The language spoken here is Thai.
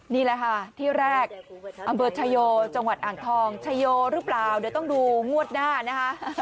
นี่แหละค่ะที่แรกอำเภอชายโยจังหวัดอ่างทองชโยหรือเปล่าเดี๋ยวต้องดูงวดหน้านะคะ